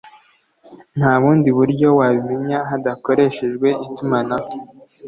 nta bundi buryo wabimenya hadakoreshejwe itumanaho